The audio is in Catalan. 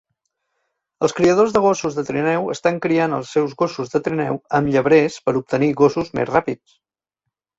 Els criadors de gossos de trineu estan criant els seus gossos de trineu amb llebrers per obtenir gossos més ràpids.